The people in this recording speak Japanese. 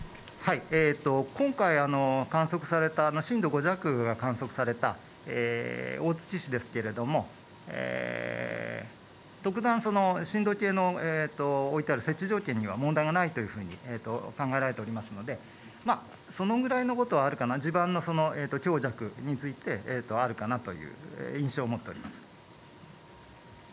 今回観測された、震度５弱が観測された大月市ですけれども特段、震度計の置いてある設置条件には問題ないと考えられておりますのでそのくらいのことはあるかな、地盤の強弱についてあるかなという印象を持っております。